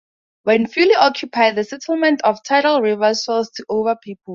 When fully occupied, the settlement of Tidal River swells to over people.